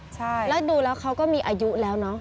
ใช่แล้วดูแล้วเขาก็มีอายุแล้วเนอะ